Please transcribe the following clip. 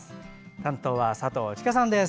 担当は佐藤千佳さんです。